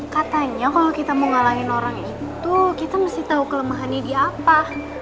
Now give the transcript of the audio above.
katanya kalo kita mau ngalahin orang itu kita mesti tau kelemahannya di apa